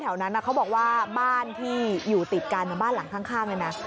แถวนั้นเขาบอกว่าบ้านที่อยู่ติดกันบ้านหลังข้างเนี่ยนะ